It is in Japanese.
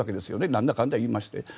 なんだかんだ言いましても。